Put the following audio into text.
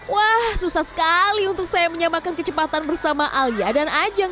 wah susah sekali untuk saya menyamakan kecepatan bersama alia dan ajang